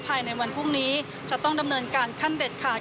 ภายในวันพรุ่งนี้จะต้องดำเนินการขั้นเด็ดขาด